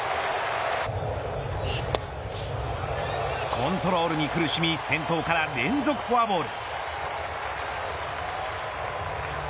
コントロールに苦しみ先頭から連続フォアボール。